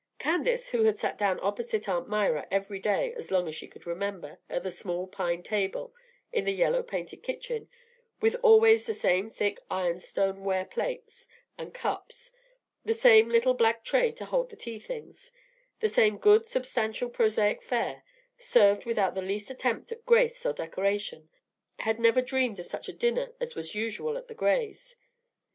Candace, who had sat down opposite Aunt Myra every day as long as she could remember at the small pine table in the yellow painted kitchen, with always the same thick iron stone ware plates and cups, the same little black tray to hold the tea things, the same good, substantial, prosaic fare, served without the least attempt at grace or decoration, had never dreamed of such a dinner as was usual at the Grays'.